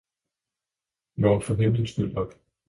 Vågn for himlens skyld op.